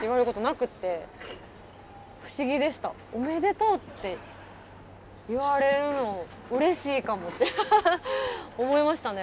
おめでとうって言われるのうれしいかもって思いましたね。